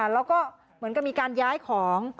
แล้วก็เหมือนกับมีการย้ายของ